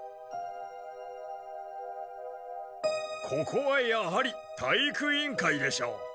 ここはやはり体育委員会でしょう。